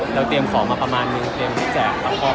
เราเตรียมขอมาประมาณหนึ่งพอประมาณเนอะแล้วมันก็ไม่พอ